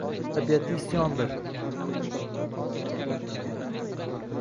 Tabiati — isyondir.